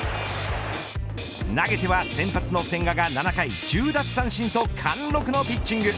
投げては先発の千賀が７回１０奪三振と貫禄のピッチング。